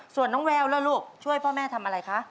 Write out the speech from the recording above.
ส่วนน้องแววแล้วลูกช่วยพ่อแม่ทำอะไรคะ